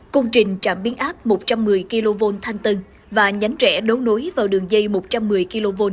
công trình trạm biến áp một trăm một mươi kv thanh tân và nhánh rẽ đấu nối vào đường dây một trăm một mươi kv